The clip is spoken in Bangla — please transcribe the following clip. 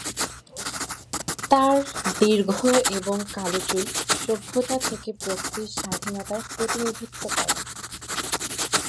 তার, দীর্ঘ এবং কালো চুল সভ্যতা থেকে প্রকৃতির স্বাধীনতার প্রতিনিধিত্ব করে।